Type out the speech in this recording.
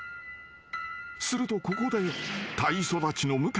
［するとここで］